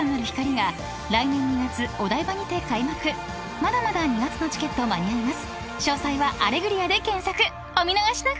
［まだまだ２月のチケット間に合います］